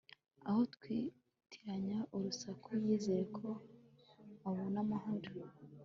aho kwitiranya urusaku, yizera ko abona amahoro